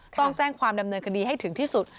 ต้องแจ้งความดำเนินคดีให้ถึงที่สุด